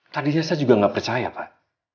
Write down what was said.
tadinya saya juga nggak percaya pak